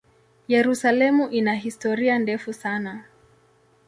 Yerusalemu ina historia ndefu sana.